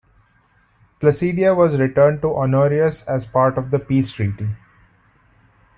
Placidia was returned to Honorius as part of the peace treaty.